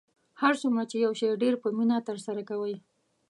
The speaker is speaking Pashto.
هر څومره چې یو شی ډیر په مینه ترسره کوئ